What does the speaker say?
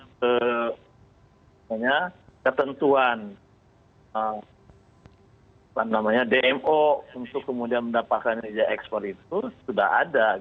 maksudnya ketentuan apa namanya dmo untuk kemudian mendapatkan izin ekspor itu sudah ada